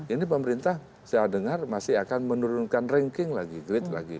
ini pemerintah saya dengar masih akan menurunkan ranking lagi grade lagi